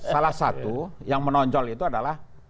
salah satu yang menonjol itu adalah